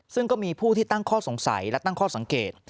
ซึ่งก็มีผู้ที่ตั้งข้อสงสัยและตั้งข้อสังเกต